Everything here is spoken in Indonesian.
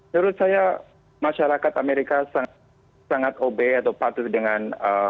menurut saya masyarakat amerika sangat obey atau patuh dengan